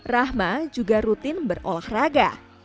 rahma juga rutin berolahraga